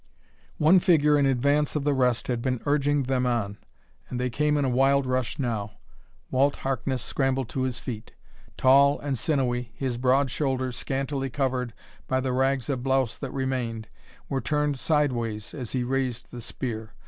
One figure in advance of the rest had been urging them on, and they came in a wild rush now. Walt Harkness scrambled to his feet. Tall and sinewy, his broad shoulders, scantily covered by the rags of blouse that remained, were turned sideways as he raised the spear.